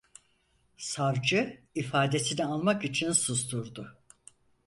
Savcı ifadesini almak için susturdu.